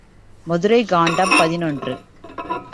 மதுரைக் காண்டம் பதினொன்று.